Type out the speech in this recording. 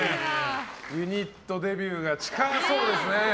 ユニットデビューが近そうですね。